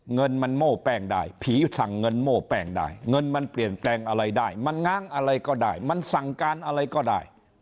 เงินมันโม่แป้งได้ผีสั่งเงินโม่แป้งได้เงินมันเปลี่ยนแปลงอะไรได้มันง้างอะไรก็ได้มันสั่งการอะไรก็ได้